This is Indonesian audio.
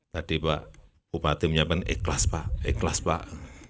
tadi pak bupati menyampaikan ikhlas pak ikhlas pak